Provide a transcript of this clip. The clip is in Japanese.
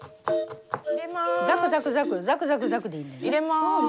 入れます。